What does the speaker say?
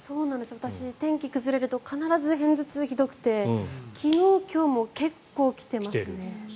私、天気が崩れると必ず片頭痛がひどくて昨日今日も結構、来てますね。